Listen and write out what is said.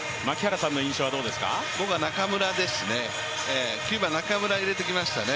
僕は中村ですね、９番に中村入れてきましたね。